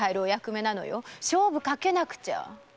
勝負かけなくちゃ！